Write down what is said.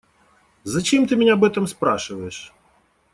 Зачем ты меня об этом спрашиваешь?